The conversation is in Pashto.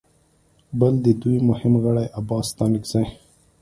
بل د دوی مهم غړي عباس ستانکزي